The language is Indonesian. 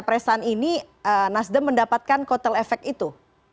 jadi pencapresan ini nasdem mendapatkan kotel efek itu